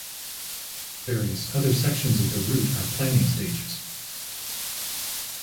Various other sections of the route are planning stages.